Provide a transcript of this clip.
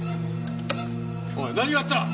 おい何があった！